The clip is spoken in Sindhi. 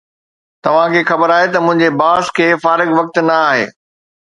توهان کي خبر آهي ته منهنجي باس کي فارغ وقت نه آهي